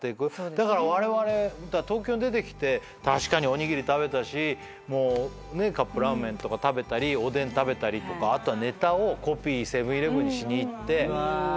だからわれわれ東京に出てきて確かにおにぎり食べたしカップラーメンとか食べたりおでん食べたりとかネタをコピーセブン―イレブンにしに行ってとか。